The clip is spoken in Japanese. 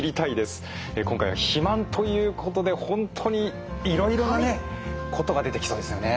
今回は「肥満」ということで本当にいろいろなねことが出てきそうですよね。